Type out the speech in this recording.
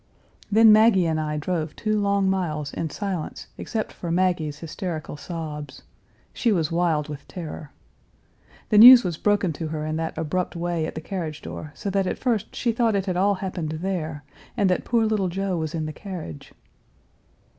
Then Maggie and I drove two long miles in silence except for Maggie's hysterical sobs. She was wild with terror. The news was broken to her in that abrupt way at the carriage door so that at first she thought it had all happened there, and that poor little Joe was in the carriage.